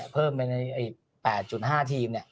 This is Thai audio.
เพิ่มไปใน๘๕ทีมเนี่ย